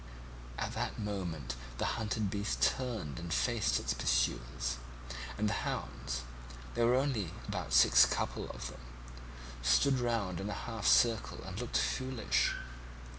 "At that moment the hunted beast turned and faced its pursuers, and the hounds (there were only about six couple of them) stood round in a half circle and looked foolish.